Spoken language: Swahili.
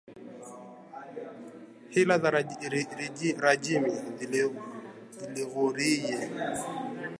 Hila za Rajimi ziughuriye